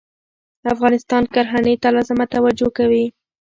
افغانستان کرهنې ته لازمه توجه وشي